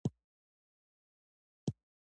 د چاپیریال ساتنه لګښت لري.